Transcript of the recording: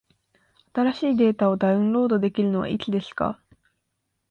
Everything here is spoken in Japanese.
新しいデータをダウンロードできるのはいつですか？